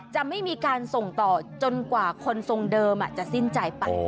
จะไม่มีการส่งต่อจนกว่าคนทรงเดิมจะสิ้นใจไป